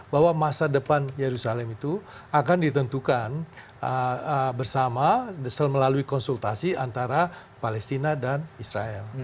bahwa masa depan yerusalem itu akan ditentukan bersama melalui konsultasi antara palestina dan israel